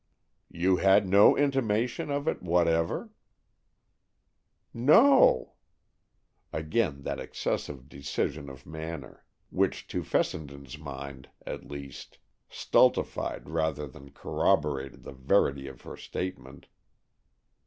"You had no intimation of it whatever?" "No." Again that excessive decision of manner, which to Fessenden's mind, at least, stultified rather than corroborated the verity of her statement.